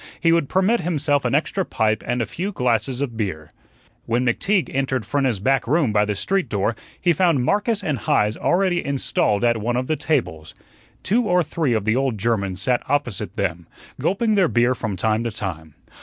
He would permit himself an extra pipe and a few glasses of beer. When McTeague entered Frenna's back room by the street door, he found Marcus and Heise already installed at one of the tables. Two or three of the old Germans sat opposite them, gulping their beer from time to time.